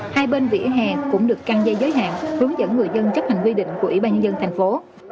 hai bên vỉa hè cũng được căng dây giới hạn hướng dẫn người dân chấp hành quy định của ủy ban nhân dân thành phố